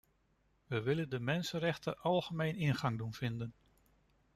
Wij willen de mensenrechten algemeen ingang doen vinden.